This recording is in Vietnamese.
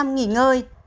năm nghỉ ngơi